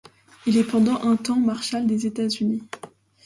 Il est pendant un temps marshal des États-Unis.